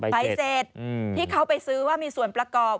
ใบเสร็จที่เขาไปซื้อว่ามีส่วนประกอบ